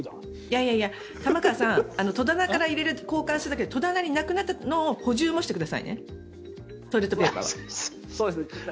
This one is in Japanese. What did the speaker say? いやいや、玉川さん戸棚から交換するだけじゃなくて戸棚になくなったのを補充もしてくださいね。